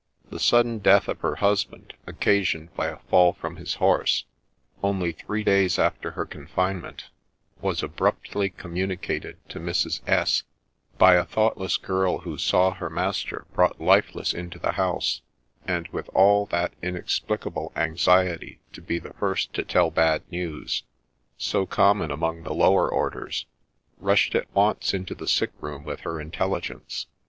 The sudden death of her husband, occasioned by a fall from his horse, only three days after her confinement, was abruptly communicated to Mrs. S by a thoughtless girl, who saw her master brought lifeless into the house, and, with all that inexplicable anxiety to be the first to tell bad news, so common among the lower orders, rushed at once into the sick room with her intelligence.